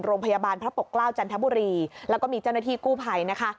โรงพยาบาลพระปกเกล้าจันทบุรีแล้วก็มีเจ้าหน้าที่กู้ภัยนะคะ